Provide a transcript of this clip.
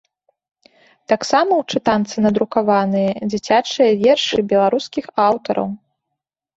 Таксама ў чытанцы надрукаваныя дзіцячыя вершы беларускіх аўтараў!